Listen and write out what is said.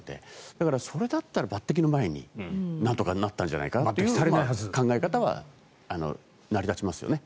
だから、それだったら抜てきの前になんとかなったんじゃないかなという考えは成り立ちますよね。